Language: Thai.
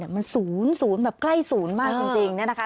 มันศูนย์แบบใกล้ศูนย์มากจริงนะคะ